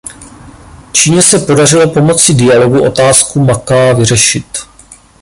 Číně se podařilo pomocí dialogu otázku Macaa vyřešit.